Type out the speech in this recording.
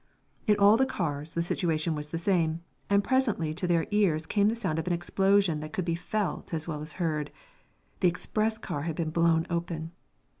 In all the cars the situation was the same, and presently to their ears came the sound of an explosion that could be felt as well as heard. The express car had been blown open.